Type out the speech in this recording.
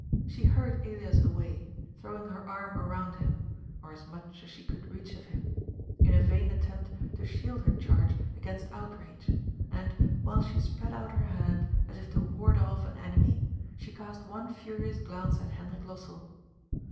She hurried Elias away, throwing her arm around him — or as much as she could reach of him — in a vain attempt to shield her charge against outrage, and, while she spread out her hand, as if to ward off an enemy, she cast one furious glance at Hendrik Los sell.